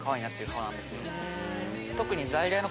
特に。